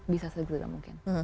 bisa sesegera mungkin